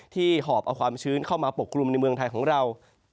หอบเอาความชื้นเข้ามาปกกลุ่มในเมืองไทยของเรา